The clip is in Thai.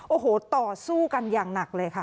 โอ้โหต่อสู้กันอย่างหนักเลยค่ะ